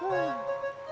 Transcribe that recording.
tuh mahal nih